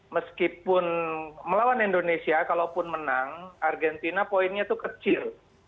meskipun melawan indonesia kalaupun menang argentina poinnya itu kecil